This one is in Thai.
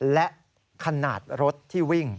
และขนาดรถที่วิ่ง